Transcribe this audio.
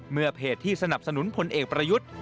เมื่อเพจที่สนับสนุนพลเอกประยุทธ์